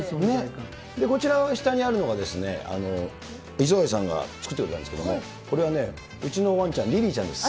こちらは、下にあるのは、磯貝さんが作ってくれたんですけど、これはね、うちのわんちゃん、リリーちゃんです。